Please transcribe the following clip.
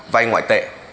vay ngoại tệ